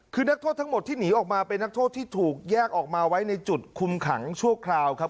คือนักโทษทั้งหมดที่หนีออกมาเป็นนักโทษที่ถูกแยกออกมาไว้ในจุดคุมขังชั่วคราวครับ